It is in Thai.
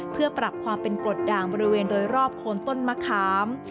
เพื่อปรับความเป็นกรดด่างบริเวณโดยรอบโคนต้นมะขาม